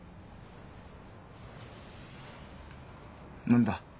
何だ？